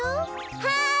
はい！